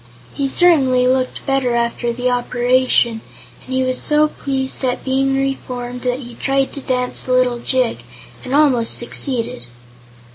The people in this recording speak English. He certainly looked better after the operation, and he was so pleased at being reformed that he tried to dance a little jig, and almost succeeded.